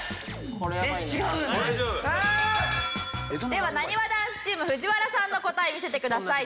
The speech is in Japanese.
ではなにわ男子チーム藤原さんの答え見せてください。